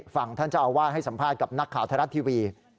ฟังท่านเจ้าอาวาสให้สัมภาษณ์กับนักข่าวไทยรัฐทีวี